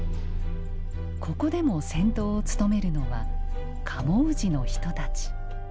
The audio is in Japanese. ここでも先頭を務めるのは賀茂氏の人たち。